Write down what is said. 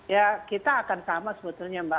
ya kita akan sama sebetulnya mbak